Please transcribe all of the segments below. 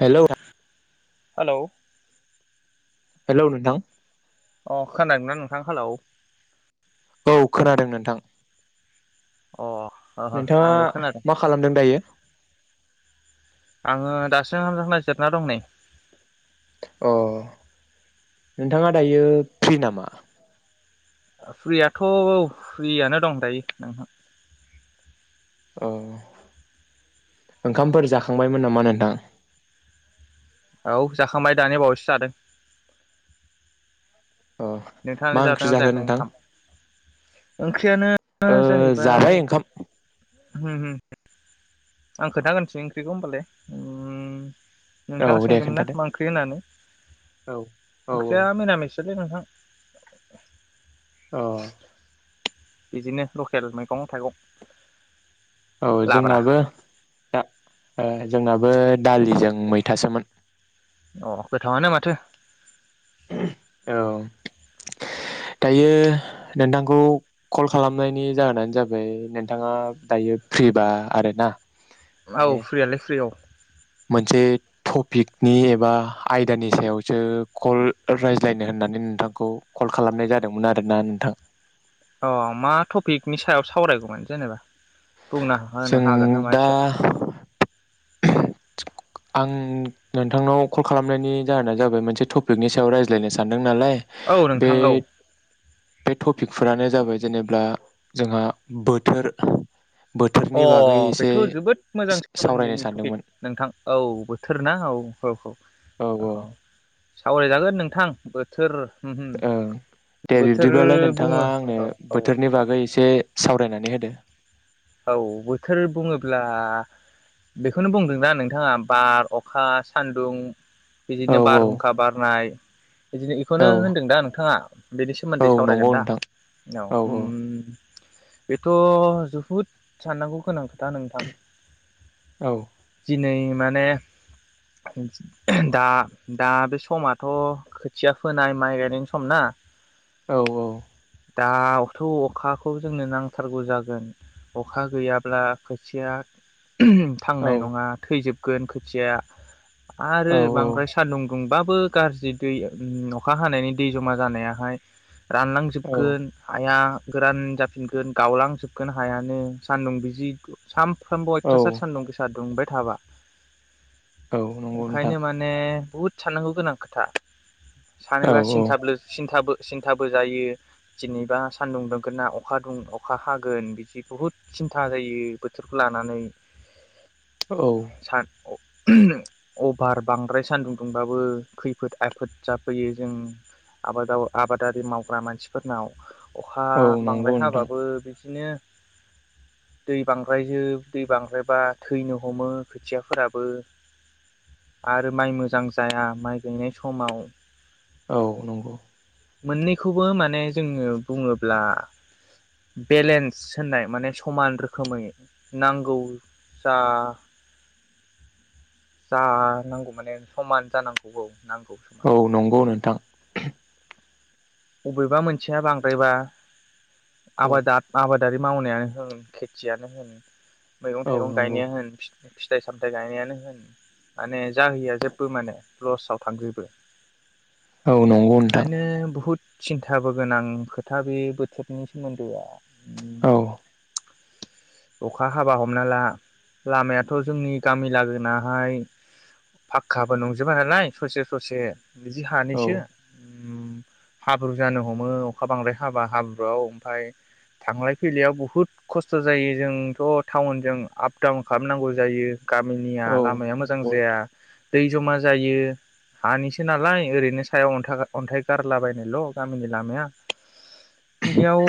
हेल' [unintelligible] hello hello नोंथां अ खोनादोंना नोंथां हेलौ? औ खोनादों नोंथां। अ ओ ओ नोंथाङा आंबो खोनादों। मा खालामदों दायो आङो दासो ओंखाम खांना जिरना दं नै। अ नोंथाङा दायो फ्रि नामा? फ्रियाथ' औ फ्रियानो दं दायो नोंथां। अ ओंखामफोर जाखांबायमोन नामा नोंथां? औ जाखांबाय दानि बावैसो जादों। अ मा नोंथाङालाय ओंख्रि जादोंना जाखो जायाखै नोंथां ओंखाम? ओंख्रियानो ओ जाहैबाय जाबाय ओंखाम होम होम। आं खोथाग्रोनसै ओंख्रिखौ होमबालाय ओम औ नोंथाङा दे सोंदोंमोन ना खोन्थादो मा ओंख्रि होननानै औ औ ओंख्रिया मिरामिस लै नोंथां अ। बिदिनो लकेल मैगं थाइगं औ लाब्रा जोंनाबो दा ओ जोंनाबो बो दालिजों मैथासोमोन। अ गोथावानो माथो। औ। दायो नोंथांखौ कल खालामनायनि जाहोनानो जाबाय नोंथाङा दायो फ्रिबा आरोना माने औ फ्रियालाय फ्रि औ। मोनसे टपिकनि एबा आयदानि सायावसो कल रायज्लायनो होननानै नोंथांखौ कल खालामनाय जादोंमोन आरोना नोंथां। अ मा टपिकनि सायाव सावरायगौमोन जेनेबा? बुंना जों होनो हागोन नामा दा एसे? आं नोंथांनाव कल खालामनायनि जाहोना जाबाय मोनसे टपिकनि सायाव रायज्लायनो सानदों नालाय औ बे नोंथां औ बे टपिकफोरानो जाबाय जेनेब्ला जोंहा बोथोर अ बोथोरनि बागै एसे बेथ' जोबोद मोजां सावरायनो सोमोन्दोनि टपिक सानदोंमोन नोंथां। औ बोथोर ना औ औ औ औ सावरायजागोन नोंथां। थोर ओं दे बिब्दिब्लालाय नोंथाङा बुङो औ आंनो औ बोथोरनि बागै एसे सावरायनानै होदो। औ बोथोर बुङोब्ला बेखौनो बुंदोंना नोंथाङा बार, अखा, सान्दुं औ बिदिनो बारहुंखा बारनाय बिदिनो बेखौनो औ होनदों दा नोंथाङा बेनि सोमोन्दै औ सावरायगोन नंगौ दा नोंथां औ। बेथ' जोहुद साननांगौ गोनां खोथा नोंथां। औ। दिनै माने दा दा बे समाथ' खोथिया फोनाय माइ गायनायनि सम ना औ दाथ' अखाखौ जोंनो नांथारगौ जागोन अखा गैयाब्ला खोथिया थांनाय नङा थैजोब गोन खोथिया औ आरो बांद्राय सान्दुं दुंबाबो गाज्रि दै अखा हानायनि दै जमा जानायाहाय रानलांजोबगोन हाया गोरान जाफिनगोन गावलांजोबगोन हायानो सानदुं बिजि सानफ्रामबो औ अयथासार सान्दुं गोसा दुंबाय थाबा औ नंगौ नोंथां ओंखायनो माने बुहुद साननांगौ गोनां खोथा- औ सानोबा औ सिन्थाब सिन्थाबो सिन्थाबो जायो जेनेबा सानदुं दुंगोन ना अखा दुं अखा हागोन बिदि बुहुद सिन्था जायो बोथोरखौ लानानै औ। सान अभार बांद्राय सान्दुं दुंबाबो खैफोद आफोद जाफैयो जों आबाद आबादारि मावग्रा मानसिफोरनाव अखा औ नंगौ बांद्राय नोंथां हाबाबो बिदिनो। दै बांद्रायजो दै बांद्रायबा थैनो हमो खोथियाफोराबो आरो माइ मोजां जाया माइ गैनाय समाव औ नंगौ। मोननैखौबो माने जोङो बुङोब्ला बेलेन्स होननाय माने समान रोखोमै नांगौ जा जा नांगौ माने समान जानांगौ औ। नांगौ समान औ नंगौ नोंथां। बबेबा मोनसेया बांद्रायबा औ आबादारि मावनायानो होन खेथियानो होन मैगं औ थाइगं नंगौ गायनाया होन। फिथाइ सामथाय गायनायानो होन माने जाहैया जेबो माने लसाव थांजोबो। औ नंगौ नोंथां। ओंखायनो बुहुद सिन्थाबो गोनां खोथा बे बोथोरनि सोमोन्दोआ। औ। अखा हाबा हमना ला लामायाथ' जोंनि गामि लागोनाहाय फाक्काबो नंजोबा नालाय ससे-ससे! बिदि औ हानैसो हाब्रु जानो हमो अखा बांद्राय हाबा हाब्रुआव ओमफ्राय थांलाय फैलायाव बुहुद खस्थ' जायो जोंथ' टाउनजों आपडाउन खालामनांगौ जायो गामिनिया औ लामाया मोजां नंगौ जाया नोंथां दै जमा जायो हानिसो नालाय ओरैनो सायाव अन्था-अन्थाइ गारलाबाय ल' गामिनि लामाया बेयाव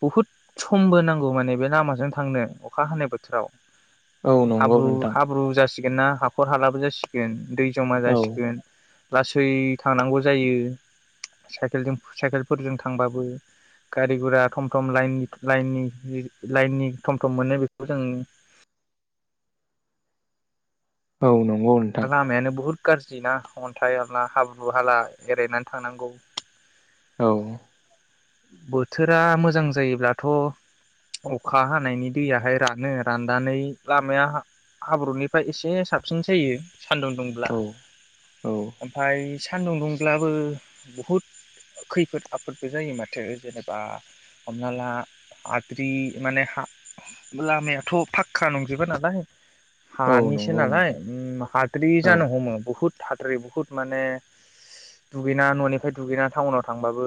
बुहुद समबो नांगौ माने बे लामाजों थांनो अखा हानाय बोथोराव औ नंगौ हाब्रु नोंथां हाब्रु जासि ना हाखर हालाबो जासिगोन दै जमा औ जासिगोन लासै थांनांगौ जायो! साइकेलजों साइकेलफोरजों थांबाबो गारि गुरा थम थम लाइन लाइननि लिर लाइननि थम थम मोनो बेखौ जों औ नं लामायानो बुहुद गाज्रि ना अन्थाइ आनला हाब्रु हाला एरायना थांनांगौ। औ बोथोरा मोजां जायोब्लाथ' अखा हानायनि दैयाहाय रानो राननानै लामाया हा-हाब्रुनिफ्राय एसे साबसिन जायो। सान्दुं दुंब्ला औ औ ओमफ्राय सानदुं दुंब्लाबो बुहुद खैफोद आफोदबो जायो मा थो जेनेबा हमना ला हाद्रि माने हा लामायाथ' फाक्का नंजोबा नालाय। औ हानिसो नंगौ नालाय नोंथां उम हाद्रि औ जानो हमो बुहुद हाद्रि बुहुद माने दुगैना न'निफ्राय दुगैना टाउनाव थांबाबो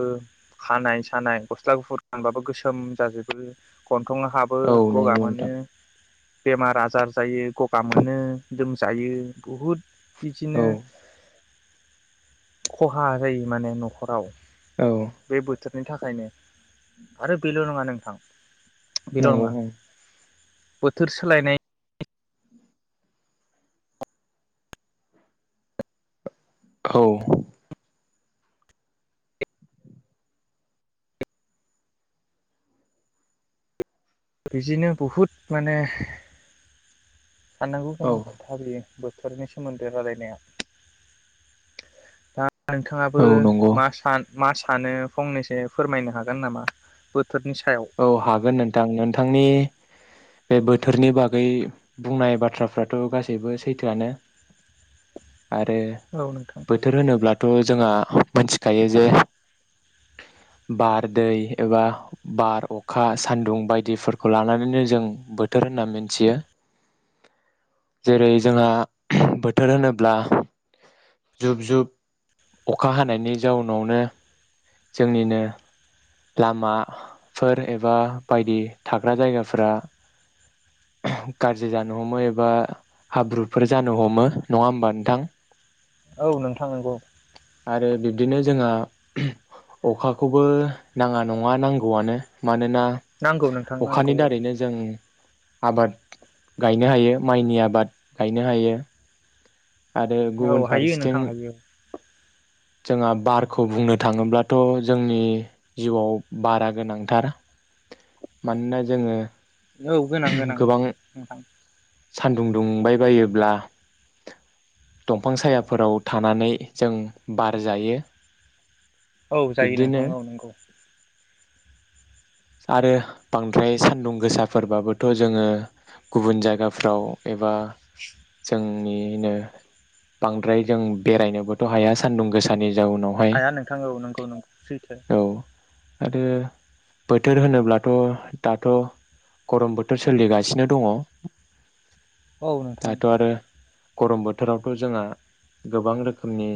खानाय सानाय गस्ला गुफुर गानबाबो गोसोम जाजोबो गन थं हाबो औ गगा नंगौ मोनो नोंथां बेमार आजार जायो। गगा मोनो लोमजायो बुहुद बिदिनो औ खहा जायो माने न'खराव। औ। बे बोथोरनि थाखायनो आरो बेल' नङा नोंथां बेल' नङा नंगौ बोथोर सोलायनाय औ। बिदिनो बहुद माने साननांगौ औ गोनां खोथा बियो बोथोरनि सोमोन्दै रालायनाया दा नोंथाङाबो औ नंगौ मा सान मा सानो फंनैसो फोरमायनो हागोन नामा? बोथोरनि सायाव औ हागोन नोंथां। नोंथांनि बे बोथोरनि बागै बुंनाय बाथ्राफ्राथ' गासैबो सैथोआनो। आरो औ नोंथां बोथोर होनोब्लाथ' जोंहा मिथिखायो जे बार दै एबा बार अखा सान्दुं बायदिफोरखौ लानानैनो जों बोथोर होनना मिथियो जेरै जोंहा बोथोर होनोब्ला जुब जुब अखा हानायनि जाउनावनो जोंनिनो लामा फोर एबा बायदि थाग्रा जायगाफोरा गाज्रि जानो हमो एबा हाब्रुफोर जानो हमो नङा होमबा नोंथां? औ नोंथां नंगौ। आरो बिब्दिनो जोंहा अखाखौबो नाङा नङा नांगौआनो मानो ना नांगौ नोंथां नांगौ अखानि औ दारैनो जों आबाद गायनो हायो माइनि आबाद गायनो हायो। आरो औ गुबुन हायो नोंथां फारसेथिं हायो जोंहा बारखौ बुंनो थाङोब्लाथ' जोंनि जिउआव बारा गोनांथार। मानोना जोङो औ गोनां गोनां गोबां नोंथां सानदुं दुंबाय बायो अब्ला दंफां सायाफोराव थानानै जों बार जायो। औ जायो बिब्दिनो नोंथां औ नंगौ। आरो बांद्राय सानदुं गोसाफोरबाबोथ' जोङो गुबुन जायगाफ्राव एबा जो निनो बांद्राय जों बेरायनोबोथ' हाया सान्दुं गोसानि जाउनावहाय हाया नोंथां नंगौ नंगौ सैथो। औ आरो बोथोर होनोब्लाथ' दाथ' गरम बोथोर सोलिगासिनो दङ। औ नोंथां दाथ' आरो गरम बोथोरावथ' जोंहा गोबां रोखोमनि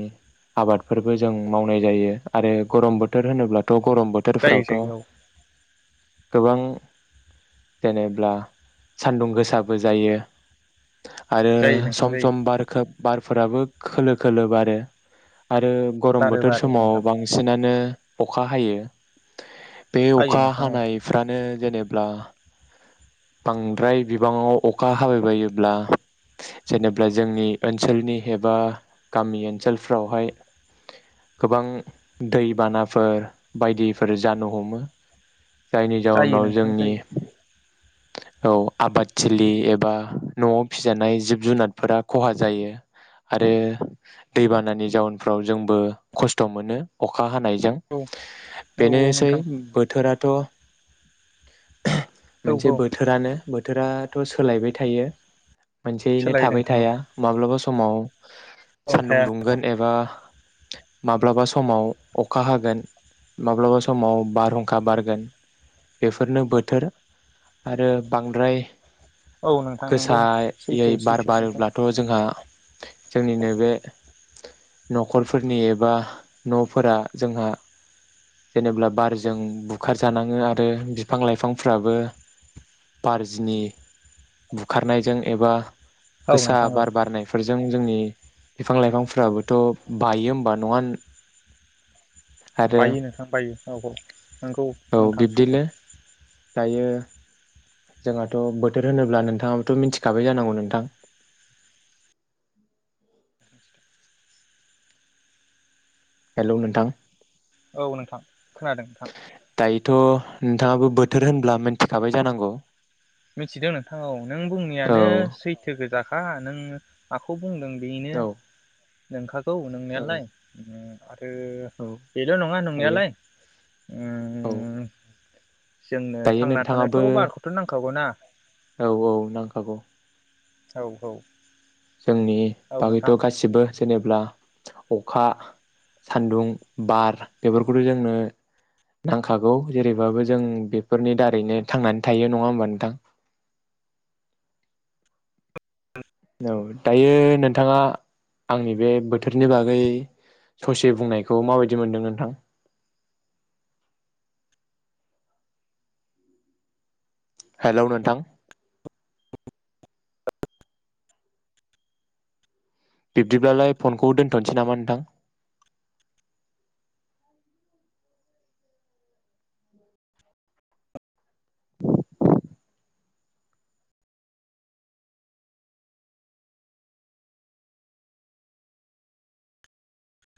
आबादफोरबो जों मावनाय जायो आरो गरम बोथोर होनोब्ला थ' गरम जायो बोथोरफ्रावथ' जायो औ गोबां जेनेब्ला सान्दुं गोसाबो जायो। आरो जायो नोंथां सम जायो सम बार खोब बारफोराबो खोलो खोलो बारो। आरो गरम बारो बोथोर बारो समाव नोंथां बांसिनानो अखा हायो। बे हायो अखा नोंथां औ हानायफ्रानो जेनेब्ला बांद्राय बिबाङाव अखा हाबायबायोब्ला जेनेब्ला जोंनि ओनसोलनि एबा गामि ओनसोलफ्रावहाय गोबां दैबानाफोर बायदिफोर जानो हमो। जायनि जायो जाउनाव नोंथां जोंनि जायो औ आबादथिलि एबा न'आव फिजानाय जिब जुनारफोरा खहा जायो आरो दैबानानि जाउनफ्राव जोंबो खस्थ' मोनो अखा हानाय जों औ औ औ बेनोसै नोंथां बोथोराथ' औ औ थोराथ' सोलायबाय थायो। मोनसेयैनो सोलायो थाबाय नोंथां औ थाया माब्लाबा समाव औ सानदुं थाया नोंथां दुंगोन एबा माब्लाबा समाव अखा हागोन माब्लाबा समाव बारहुंखा बारगोन बेफोरनो बोथोर। आरो बांद्राय औ नोंथां नंगौ गोसायै सैथो बार सैथो नोंथां बारोब्लाथ' जोंहा जोंनि नैबे न'खरफोरनि एबा न'फोरा जोंहा जेनेब्ला बारजों बुखारजानाङो आरो बिफां लाइफांफ्राबो बारजिनि बुखारनायजों एबा औ गोसा नोंथां औ बार बारनायफोरजों जोंनि बिफां लाइफांफोराबोथ' बायो होमबा नङा आरो बायो नोंथां बायो औ औ नंगौ औ नोंथां बिब्दिनो सैथो। दायो। जोंहाथ' बोथोर होनोब्ला नोंथाङाबोथ' मिथिखाबाय जानांगौ नोंथां। हेलौ नोंथां। औ नोंथां खोनादों नोंथां। दायोथ' नोंथाङाबो बोथोर होनब्ला मोनथिखाबाय जानांगौ। मिथिदों नोंथां औ नों औ बुंनायानो सैथो गोजा हा नों माखौ बुंदों बेनो औ नोंखा गौ औ नोंनायालाय औ [inaudible] बेल' नङा दायो नंनायालाय औ उमम जोंनो दायो थांना थानोथ' नोंथाङाबो बारखौथ' नां हगना। औ औ नांखागौ। औ औ। जोंनि औ बागैथ' नोंथां गासिबो जेनेब्ला। अखा सान्दुं बार बेफोरखौथ' जोंनो नांखागौ जेरैबाबो जों बेफोरनि दारैनो थांनानै थायो नङा होमबा नोंथां। औ दायो नोंथाङा आंनि बे बोथोरनि बागै ससे बुंनायखौ माबायदि मोनदों नोंथां। हेलौ नोंथां। बिब्दिब्लालाय फनखौ दोनथ'नोसै नामा नोंथां।